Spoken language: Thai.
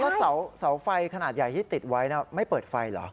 แล้วเสาไฟขนาดใหญ่ที่ติดไว้ไม่เปิดไฟเหรอ